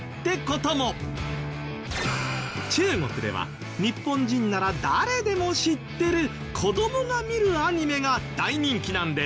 中国では日本人なら誰でも知ってる子どもが見るアニメが大人気なんです。